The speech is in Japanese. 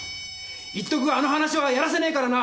言っとくがあの噺はやらせねえからな。